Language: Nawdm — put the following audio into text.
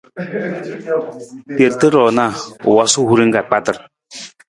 Terata ruu na, u wosu ra hurin ka kpatar.